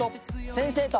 先生と。